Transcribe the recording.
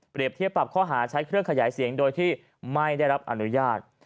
เทียบปรับข้อหาใช้เครื่องขยายเสียงโดยที่ไม่ได้รับอนุญาต